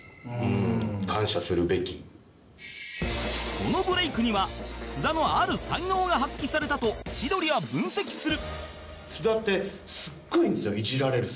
このブレイクには津田のある才能が発揮されたと千鳥は分析する